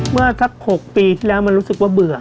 เมื่อสัก๖ปีที่แล้วมันรู้สึกว่าเบื่อ